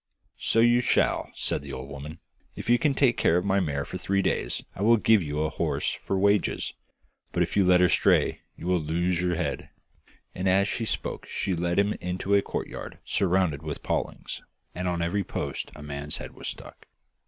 'So you shall,' said the old woman. 'If you can take care of my mare for three days I will give you a horse for wages, but if you let her stray you will lose your head'; and as she spoke she led him into a courtyard surrounded with palings, and on every post a man's head was stuck.